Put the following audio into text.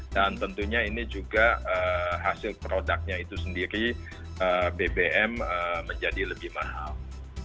dan tentunya ini juga hasil produknya itu sendiri bbm menjadi lebih mahal